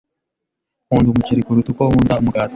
Nkunda umuceri kuruta uko nkunda umugati.